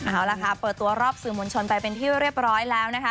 เอาล่ะค่ะเปิดตัวรอบสื่อมวลชนไปเป็นที่เรียบร้อยแล้วนะคะ